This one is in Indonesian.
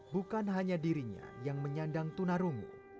bukan hanya dirinya yang menyandang tunarungu